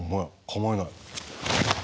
構えない。